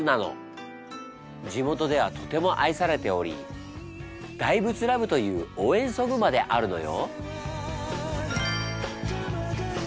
地元ではとても愛されており「ＤＩＶＥＴＯＬＯＶＥ」という応援ソングまであるのよ。